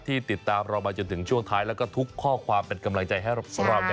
ติดตามเรามาจนถึงช่วงท้ายแล้วก็ทุกข้อความเป็นกำลังใจให้เรา